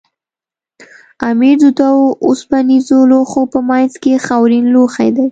امیر د دوو اوسپنیزو لوښو په منځ کې خاورین لوښی دی.